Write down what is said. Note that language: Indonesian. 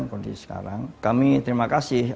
kondisi sekarang kami terima kasih